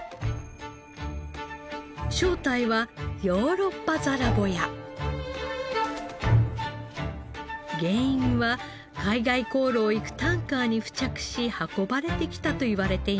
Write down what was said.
正体は原因は海外航路を行くタンカーに付着し運ばれてきたといわれています。